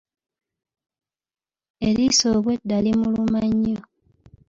Eriiso obweeda limuluma nnyo.